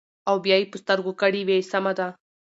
او بيا يې پۀ سترګو کړې وې سمه ده ـ